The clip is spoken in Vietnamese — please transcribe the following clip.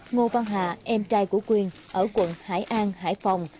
ngô văn hà em trai của quyền ở quận hải an hải phòng